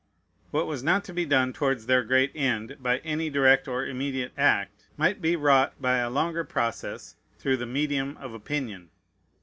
What was not to be done towards their great end by any direct or immediate act might be wrought by a longer process through the medium of opinion.